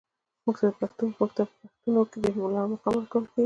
مور ته په پښتنو کې ډیر لوړ مقام ورکول کیږي.